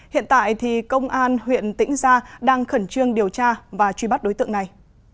hiện tại thì công an huyện tĩnh gia đang khẩn trương điều tra và truy bắt đối tượng này